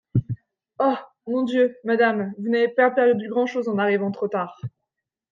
Oh ! mon Dieu ! madame, vous n'avez pas perdu grand'chose, en arrivant trop tard.